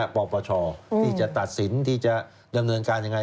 ปปชที่จะตัดสินที่จะดำเนินการยังไง